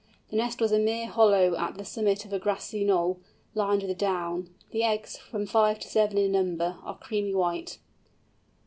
The nest was a mere hollow at the summit of a grassy knoll, lined with down. The eggs, from five to seven in number, are creamy white.